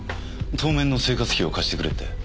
当面の生活費を貸してくれって。